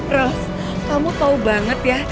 roh kamu tau banget ya